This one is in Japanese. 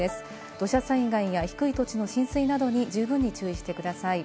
土砂災害や低い土地の浸水などに十分に注意してください。